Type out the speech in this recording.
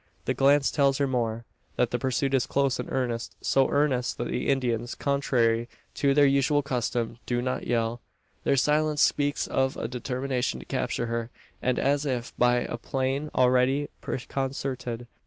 The glance tells her more, that the pursuit is close and earnest so earnest that the Indians, contrary to their usual custom, do not yell! Their silence speaks of a determination to capture her; and as if by a plan already preconcerted!